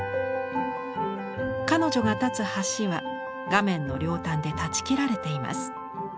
彼女が立つ橋は画面の両端で断ち切られています。